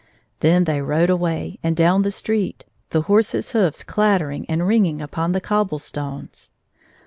Then they rode away and down the street, the horses' hoofs clattering and ringing upon the cob ble stones.